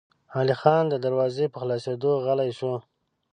علی خان د دروازې په خلاصېدو غلی شو.